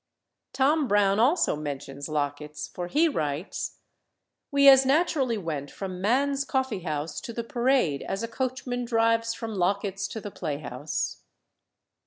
Tom Brown also mentions Locket's, for he writes "We as naturally went from Mann's Coffee house to the Parade as a coachman drives from Locket's to the play house."